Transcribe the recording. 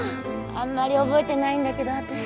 あんまり覚えてないんだけど私。